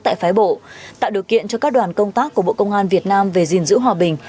tại phái bộ tạo điều kiện cho các đoàn công tác của bộ công an việt nam về gìn giữ hòa bình